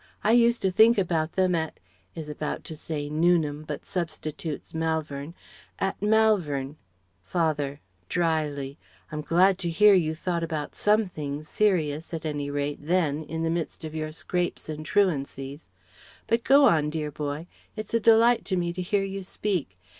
I used to think about them at (is about to say 'Newnham,' but substitutes 'Malvern') at Malvern " Father (drily): "I'm glad to hear you thought about something serious at any rate then, in the midst of your scrapes and truancies but go on, dear boy. It's a delight to me to hear you speak.